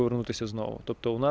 dan kembali ke tempat lain